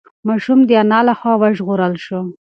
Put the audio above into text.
ماشوم د انا له خوا وژغورل شو.